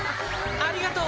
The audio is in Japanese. ありがとう！